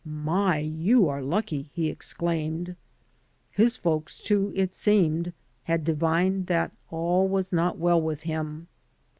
"My! you are lucky," he exclaimed. His folks, too, it seemed, had divined, that all was not well with him.